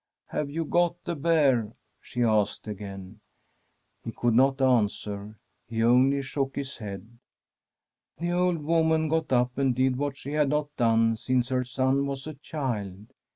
* Have you got the bear ?' she asked again. He could not answer ; he only shook his head. The old woman got up and did what she had not done since her son was a child.